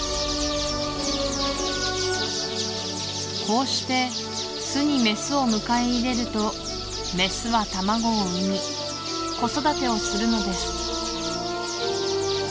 こうして巣にメスを迎え入れるとメスは卵を産み子育てをするのです